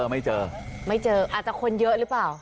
ไม่เจออาจจะคนเยอะหรือเปล่า